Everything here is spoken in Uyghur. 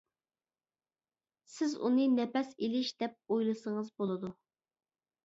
سىز ئۇنى نەپەس ئېلىش دەپ ئويلىسىڭىز بولىدۇ.